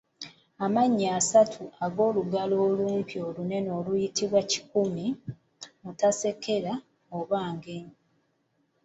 Amanya asatu ag'olugalo olumpi olunene luyitibwa kinkumu, Muttansekere oba Ngenyi.